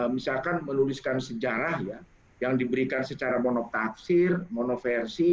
misalkan menuliskan sejarah yang diberikan secara monotaksir monoversi